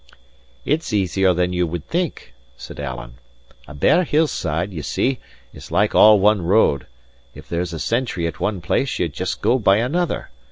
"It's easier than ye would think," said Alan. "A bare hillside (ye see) is like all one road; if there's a sentry at one place, ye just go by another.